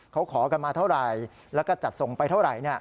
เขาขอกันมาเท่าไหร่แล้วก็จัดส่งไปเท่าไหร่